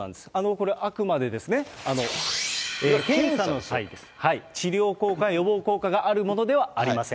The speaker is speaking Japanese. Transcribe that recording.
これ、あくまでですね、治療効果、予防効果があるものではありません。